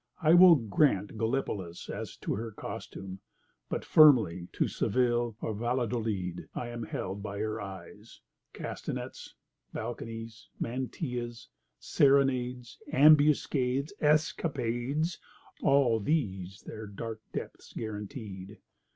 I will grant Gallipolis as to her costume, but firmly to Seville or Valladolid I am held by her eyes; castanets, balconies, mantillas, serenades, ambuscades, escapades—all these their dark depths guaranteed.